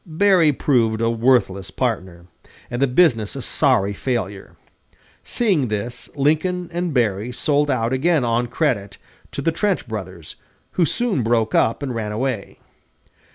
Berry proved a worthless partner, and the business a sorry failure. Seeing this, Lincoln and Berry sold out again on credit to the Trent brothers, who soon broke up and ran away.